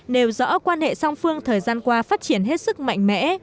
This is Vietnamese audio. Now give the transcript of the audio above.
nêu rõ quan hệ song phương thời gian qua phát triển hết sức mạnh mẽ